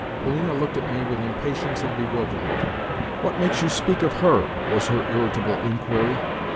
Polina looked at me with impatience and bewilderment. "What makes you speak of her?" was her irritable inquiry.